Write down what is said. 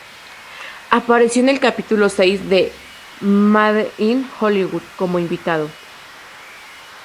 Apareció en el capítulo seis de "Made in Hollywood" como invitado.